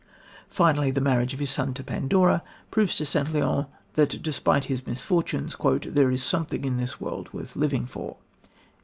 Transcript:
Finally the marriage of his son to Pandora proves to St. Leon that despite his misfortunes "there is something in this world worth living for."